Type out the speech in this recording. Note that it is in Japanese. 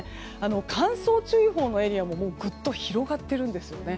乾燥注意報のエリアもぐっと広がっているんですよね。